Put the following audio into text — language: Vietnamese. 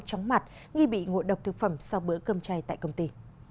chóng mặt nghi bị ngộ độc thực phẩm sau bữa cơm chay tại công ty